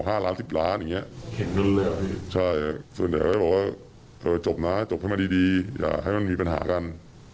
ให้จบให้มาดีอย่าให้มันมีปัญหากัน